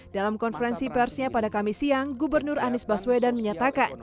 dalam konferensi persnya pada kamis siang gubernur anies baswedan menyatakan